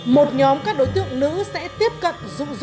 một nhóm các đối tượng nữ sẽ tiếp cận